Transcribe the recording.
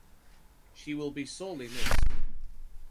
She will be sorely missed.